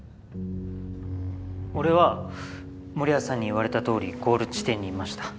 俺は守屋さんに言われたとおりゴール地点にいました。